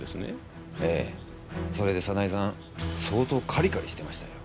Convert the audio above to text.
ええそれで早苗さん相当カリカリしてましたよ